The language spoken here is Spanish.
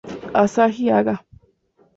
Asahi Haga